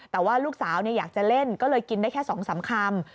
แต่ว่าลูกสาวอยากจะเล่นก็เลยกินได้แค่๒๓คำ